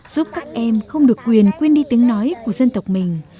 giúp các em không được quyền quên đi tiếng nói của dân tộc mình